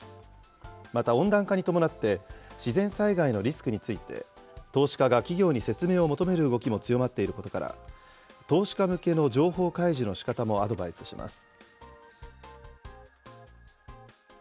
また、温暖化に伴って自然災害にリスクについて、投資家が企業に説明を求める動きも強まっていることから、投資家向けの情報開示のしかたもアドバイスします。